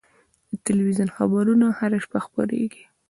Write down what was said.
د تلویزیون خبرونه هره شپه خپرېږي.